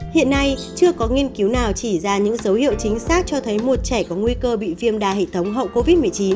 hiện nay chưa có nghiên cứu nào chỉ ra những dấu hiệu chính xác cho thấy một trẻ có nguy cơ bị viêm đa hệ thống hậu covid một mươi chín